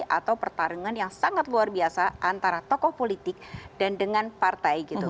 atau pertarungan yang sangat luar biasa antara tokoh politik dan dengan partai gitu